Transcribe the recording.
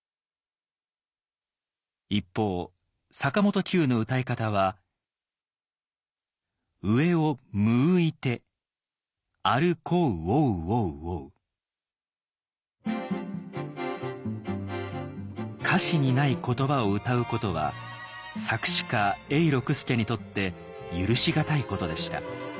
一方坂本九の歌い方は歌詞にない言葉を歌うことは作詞家永六輔にとって許し難いことでした。